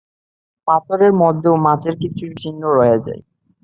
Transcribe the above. পাথরের মধ্যেও মাছের কিছু চিহ্ন রয়ে যায়।